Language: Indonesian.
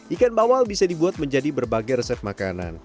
ikan bawal bisa dibuat menjadi berbagai resep makanan